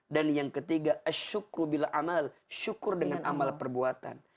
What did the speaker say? dan yang ketiga syukur dengan amal perbuatan